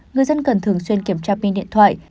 người dân cần thường xuyên kiểm tra pin điện thoại